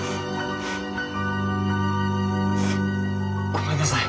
ごめんなさい。